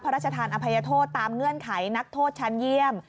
พระราชทานอภัยโทษตามเงื่อนไขนักโทษชั้นเยี่ยม